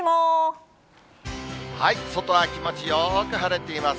外は気持ちよく晴れています。